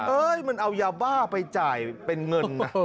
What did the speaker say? มันเอายาบ้าไปจ่ายเป็นเงินนะ